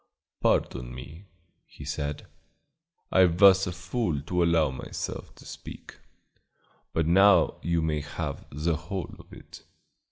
"Pardon me," he said. "I was a fool to allow myself to speak, but now you may have the whole of it.